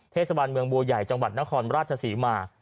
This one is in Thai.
เทศบาลเมืองบัวใหญ่จังหวัดนครราชศรีมา